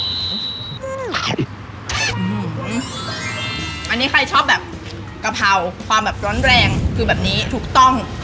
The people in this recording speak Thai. อืมอันนี้ใครชอบแบบกะเพราความแบบร้อนแรงคือแบบนี้ถูกต้อง